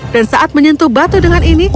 dan saat menyentuh batu dengan ini